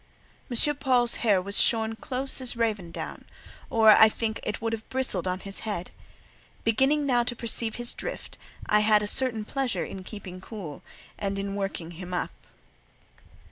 M. Paul's hair was shorn close as raven down, or I think it would have bristled on his head. Beginning now to perceive his drift, I had a certain pleasure in keeping cool, and working him up.